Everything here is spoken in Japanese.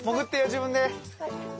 自分で。